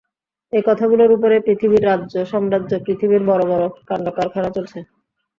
এই কথাগুলোর উপরেই পৃথিবীর রাজ্য-সাম্রাজ্য, পৃথিবীর বড়ো বড়ো কাণ্ডকারখানা চলছে।